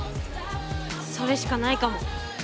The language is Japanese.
それしかないかも。